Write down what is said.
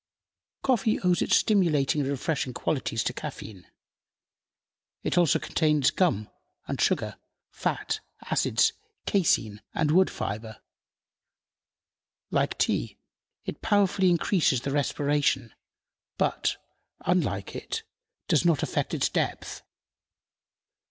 Coffee owes its stimulating and refreshing qualities to caffeine. It also contains gum and sugar, fat, acids, casein and wood fibre. Like tea, it powerfully increases the respiration, but, unlike it, does not effect its depth.